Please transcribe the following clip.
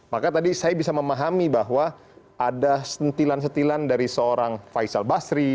maka tadi saya bisa memahami bahwa ada sentilan setilan dari seorang faisal basri